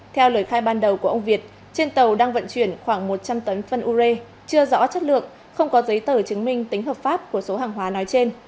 theo lời khai ban đầu của ông việt trên tàu đang vận chuyển khoảng một trăm linh tấn phân u rê chưa rõ chất lượng không có giấy tờ chứng minh tính hợp pháp của số hàng hóa nói trên